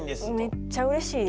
めっちゃうれしいですね。